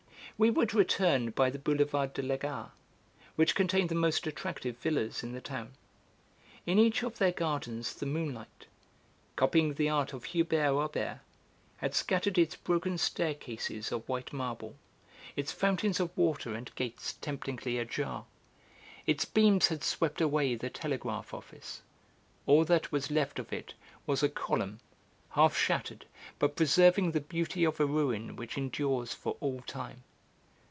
We would return by the Boulevard de la Gare, which contained the most attractive villas in the town. In each of their gardens the moonlight, copying the art of Hubert Robert, had scattered its broken staircases of white marble, its fountains of water and gates temptingly ajar. Its beams had swept away the telegraph office. All that was left of it was a column, half shattered, but preserving the beauty of a ruin which endures for all time.